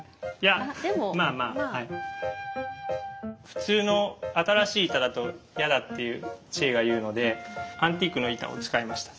普通の新しい板だと嫌だって千恵が言うのでアンティークの板を使いました。